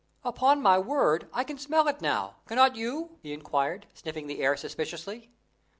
Upon my word I can smell it now, cannot you?" he enquired, sniffing the air suspiciously.